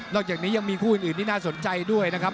อกจากนี้ยังมีคู่อื่นที่น่าสนใจด้วยนะครับ